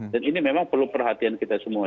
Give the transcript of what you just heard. dan ini memang perlu perhatian kita semua